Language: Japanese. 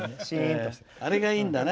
あれがいいんだな。